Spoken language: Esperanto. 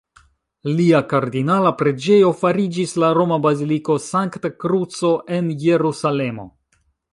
Lia kardinala preĝejo fariĝis la roma Baziliko Sankta Kruco en Jerusalemo.